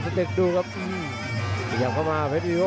แล้วก็พยายามไล่แขนครับเพชรวีโว